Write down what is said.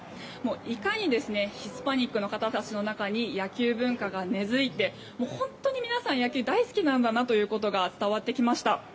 いかにヒスパニックの方たちに野球文化が根付いて本当に皆さん野球が大好きということが伝わってきました。